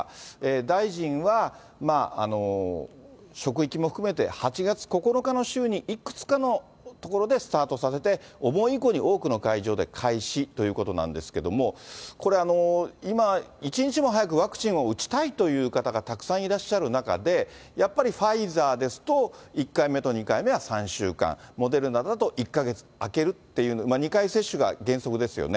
大臣は職域も含めて８月９日の週にいくつかの所でスタートさせて、お盆以降に多くの会場で開始ということなんですけれども、これ、今、一日も早くワクチンを打ちたいという方がたくさんいらっしゃる中で、やっぱりファイザーですと、１回目と２回目は３週間、モデルナだと１か月空ける、２回接種が原則ですよね。